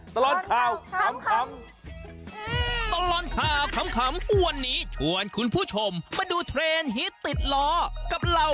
ตลอดข่าวขำ